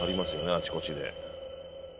あちこちで。